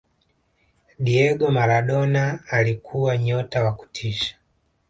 diego maradona alikuwa nyota wa kutisha